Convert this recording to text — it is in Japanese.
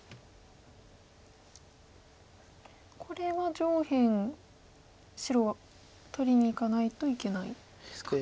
これは上辺白は取りにいかないといけないですか。